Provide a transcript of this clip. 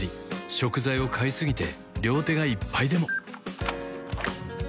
食材を買いすぎて両手がいっぱいでも